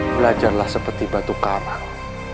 belajarlah seperti batu karang